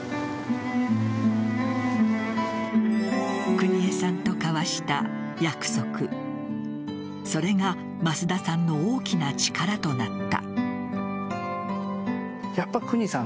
邦衛さんと交わした約束それが増田さんの大きな力となった。